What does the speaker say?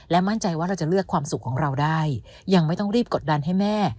มั่นใจว่าเราจะเลือกความสุขของเราได้ยังไม่ต้องรีบกดดันให้แม่